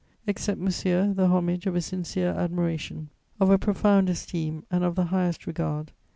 "Accept, monsieur, the homage of a sincere admiration, of a profound esteem and of the highest regard.